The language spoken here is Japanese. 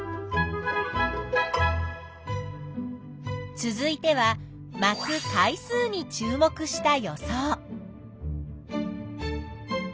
続いては「まく回数」に注目した予想。